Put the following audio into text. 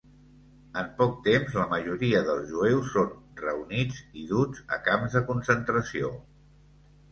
En poc temps la majoria dels jueus són reunits i duts a camps de concentració.